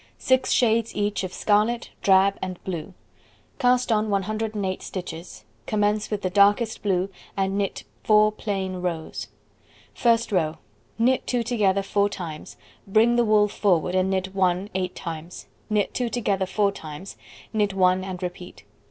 Six shades each of scarlet, drab, and blue. Cast on 108 stitches. Commence with the darkest blue and knit 4 plain rows. First row: Knit 2 together four times, bring the wool forward and knit 1 eight times, knit 2 together four times, knit 1, and repeat.